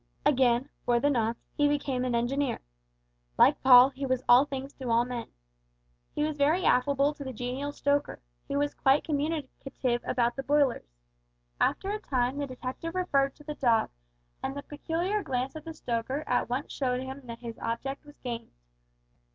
Again, for the nonce, he became an engineer. Like Paul, he was all things to all men. He was very affable to the genial stoker, who was quite communicative about the boilers. After a time the detective referred to the dog, and the peculiar glance of the stoker at once showed him that his object was gained.